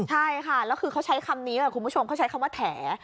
ใช่ค่ะแล้วคือเขาใช้คำนี้คุณผู้ชมเขาใช้คำว่าแถ